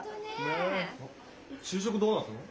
あっ就職どうなったの？